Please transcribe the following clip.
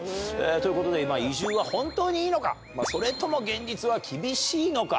ということで今、移住は本当にいいのか、それとも現実は厳しいのか。